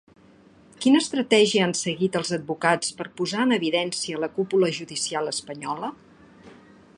Quina estratègia han seguit els advocats per posar en evidència la cúpula judicial espanyola?